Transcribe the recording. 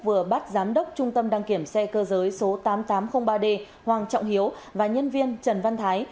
vừa bắt giám đốc trung tâm đăng kiểm xe cơ giới số tám nghìn tám trăm linh ba d hoàng trọng hiếu và nhân viên trần văn thái